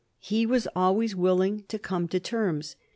He was always willing to come to terms.